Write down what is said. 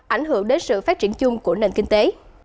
ảnh hưởng đến sự phát triển chung của nền kinh tế